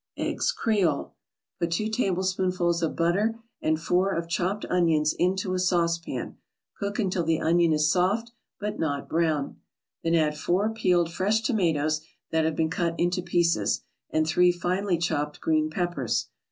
EGGS CREOLE Put two tablespoonfuls of butter and four of chopped onions into a saucepan, cook until the onion is soft, but not brown. Then add four peeled fresh tomatoes that have been cut into pieces, and three finely chopped green peppers.